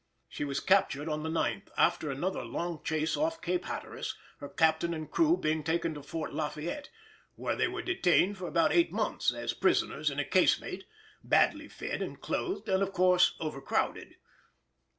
She was captured on the ninth, after another long chase off Cape Hatteras, her captain and crew being taken to Fort Lafayette, where they were detained for about eight months as prisoners in a casemate, badly fed and clothed, and of course overcrowded.